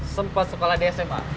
sempa sekolah di sma